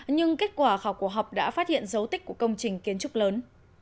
nhưng kết quả khảo cổ học đã phát hiện dấu tích của công trình kiến trúc lớn